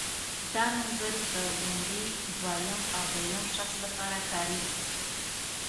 دا نومځري د لومړي دویم او دریم شخص لپاره کاریږي.